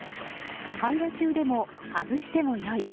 会話中でも外してもよい。